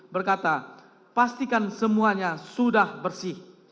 berkata pastikan semuanya sudah bersih